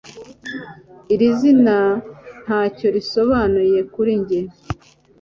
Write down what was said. Iri zina ntacyo risobanuye kuri njye